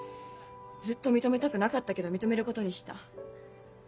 ずっと認めたくなかったけど認めることにした。